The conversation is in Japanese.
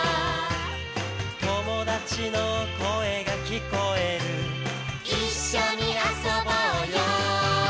「友達の声が聞こえる」「一緒に遊ぼうよ」